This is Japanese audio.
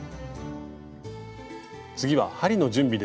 次は針の準備です。